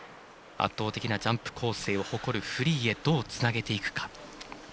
圧倒的なジャンプ構成を誇るフリーへどうつなげていくか。